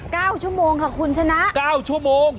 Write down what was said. เก้าชั่วโมงค่ะคุณชนะเก้าชั่วโมง